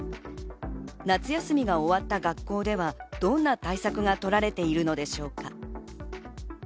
夏休みが終わった学校ではどんな対策が取られているのでしょうか。